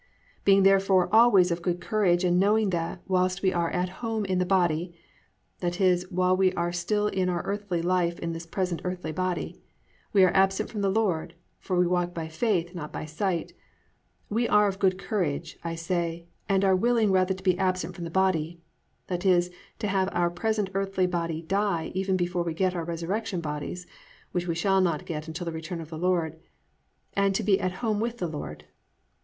+Being therefore always of good courage and knowing that, whilst we are at home in the body+ (i.e., while we are still in our earthly life in this present earthly body) +we are absent from the Lord (for we walk by faith not by sight); we are of good courage, I say, and are willing rather to be absent from the body+ (i.e., to have our present earthly body die even before we get our resurrection bodies, which we shall not get until the return of the Lord), +and to be at home with the Lord."